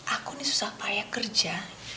aku ini susah payah kerja